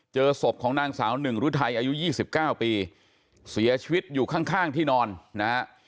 เจอศพของนางสาวหนึ่งรุ้นไทยอายุยี่สิบเก้าปีเสียชีวิตอยู่ข้างข้างที่นอนนะฮะ